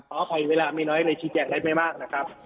ขออภัยเวลามีน้อยในชิดแจกไม่มากนะครับ